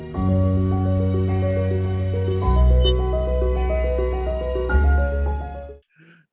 perawatan seberang sebesar dua delapan